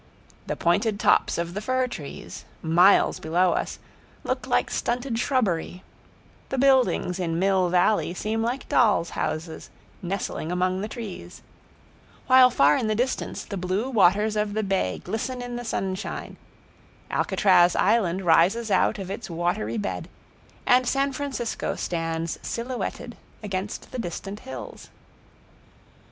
The pointed tops of the fir trees, miles below us, look like stunted shrubbery; the buildings in Mill Valley seem like dolls' houses nestling among the trees; while far in the distance the blue waters of the bay glisten in the sunshine, Alcatraz Island rises out of its watery bed, and San Francisco stands silhouetted against the distant hills.